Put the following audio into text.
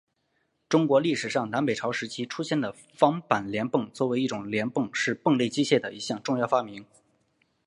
中国历史上南北朝时期出现的方板链泵作为一种链泵是泵类机械的一项重要发明。